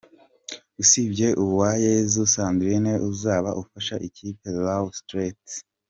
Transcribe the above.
Usibye Uwayezu Sandrine uzaba ufasha ikipe Lowestrates.